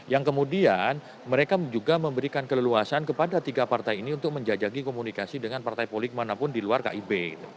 yang kemudian mereka juga memberikan keleluasan kepada tiga partai ini untuk menjajaki komunikasi dengan partai politik manapun di luar kib